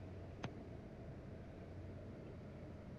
This area is most commonly occupied by defensive linemen and linebackers.